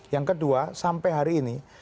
yang kedua sampai hari ini